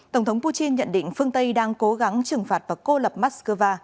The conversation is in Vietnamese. tổng thống putin nhận định phương tây đang cố gắng trừng phạt và cô lập moscow